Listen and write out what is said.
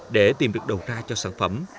để tìm được đầu ra cho sản phẩm